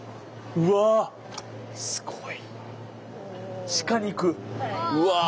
うわすごい。